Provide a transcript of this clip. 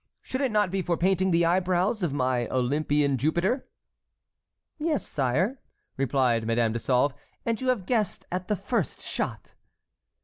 Should it not be for painting the eyebrows of my Olympian Jupiter?" "Yes, sire," replied Madame de Sauve, "and you have guessed at the first shot!"